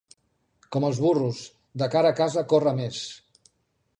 Com els burros, de cara a casa corre més.